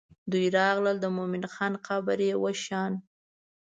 دوی راغلل د مومن خان قبر یې وشان.